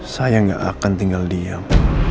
saya nggak akan tinggal diam